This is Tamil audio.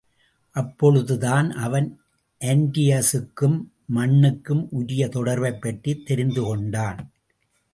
அப்பொழுதுதான் அவன் ஆன்டியஸுக்கும் மண்ணுக்கும் உரிய தொடர்பைப்பற்றித் தெரிந்துகொண்டான்.